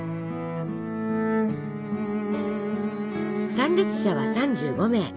参列者は３５名。